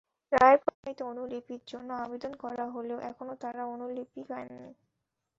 রায়ের প্রত্যায়িত অনুলিপির জন্য আবেদন করা হলেও এখনো তাঁরা অনুলিপি পাননি।